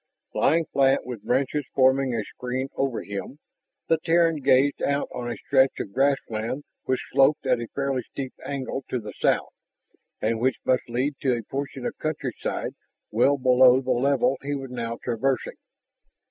Lying flat, with branches forming a screen over him, the Terran gazed out on a stretch of grassland which sloped at a fairly steep angle to the south and which must lead to a portion of countryside well below the level he was now traversing.